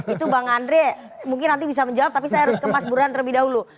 itu bang andre mungkin nanti bisa menjawab tapi saya harus ke mas burhan terlebih dahulu